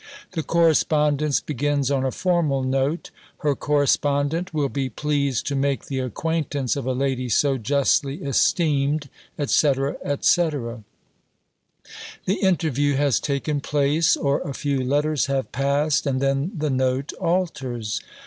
The correspondence begins on a formal note. Her correspondent will be "pleased to make the acquaintance of a lady so justly esteemed," etc., etc. The interview has taken place, or a few letters have passed, and then the note alters.